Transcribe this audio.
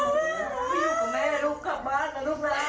ไปอยู่กับแม่ลูกกลับบ้านล่ะลูกล้า